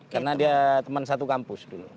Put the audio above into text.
karena dia teman satu kampus dulu